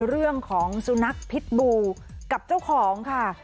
เรื่องของสุนัขพิษบูกับเจ้าของค่ะ